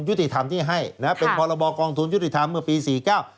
ยุทธิธรรมที่ให้เป็นประบบลดความผลบ่อกองทุนยุทธิธรรมเมื่อปี๔๙